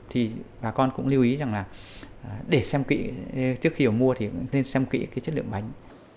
thì bà con cũng lưu ý rằng là để xem kỹ trước khi mà mua thì cũng nên xem kỹ cái chất lượng bánh